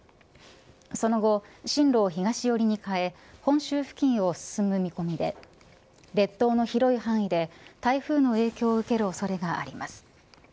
その後、進路を東寄りに変え本州付近を進む見込みで列島の広い範囲で台風の影響を受ける恐れがあります。